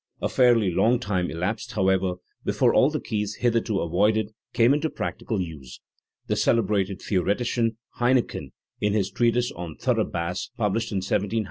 A fairly long time elapsed, however, before all the keys hitherto avoided came into practical use. The celebrated theoretician Heinichen, in his treatise on thorough bass, published in 1728, i.